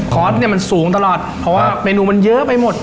สเนี่ยมันสูงตลอดเพราะว่าเมนูมันเยอะไปหมด